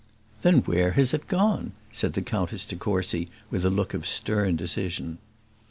"Then where has it gone?" said the Countess de Courcy, with a look of stern decision.